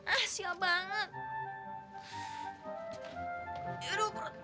ah sial banget